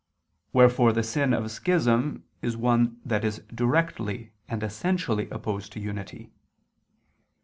Wherefore the sin of schism is one that is directly and essentially opposed to unity.